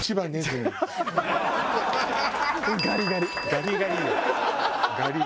ガリガリ。